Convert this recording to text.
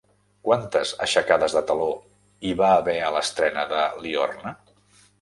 Quantes aixecades de teló hi va haver a l'estrena de Liorna?